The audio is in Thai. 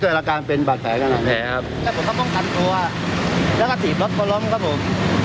ใช่ครับแล้วผมเข้ามากันตัวแล้วก็ถีบรถก็ล้มครับผม